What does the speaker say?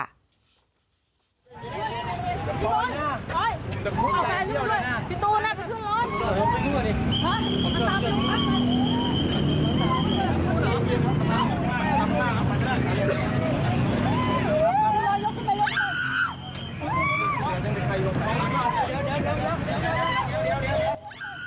เดี๋ยว